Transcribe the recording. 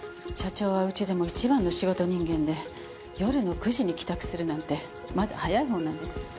社長はうちでも一番の仕事人間で夜の９時に帰宅するなんてまだ早いほうなんです。